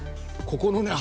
ここのね